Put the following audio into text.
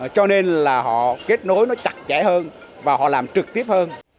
cho nên là họ kết nối nó chặt chẽ hơn và họ làm trực tiếp hơn